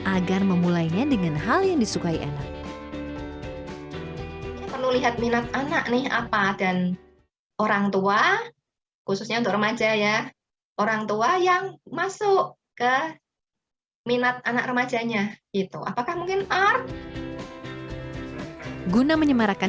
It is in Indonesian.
agar memulainya dengan hal yang disukai anak